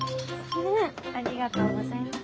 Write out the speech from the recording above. ありがとうございます。